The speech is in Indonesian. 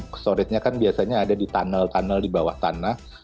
aksesorisnya kan biasanya ada di tunnel tunnel di bawah tanah